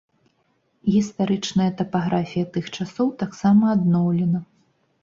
Гістарычная тапаграфія тых часоў таксама адноўлена.